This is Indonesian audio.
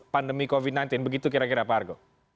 pandemi covid sembilan belas begitu kira kira pak argo